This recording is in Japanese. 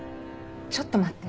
ちょっと待って。